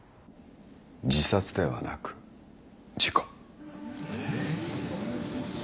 自殺ではなく事故。